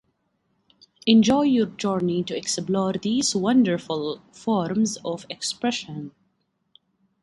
Enjoy your journey to explore these wonderful forms of expression!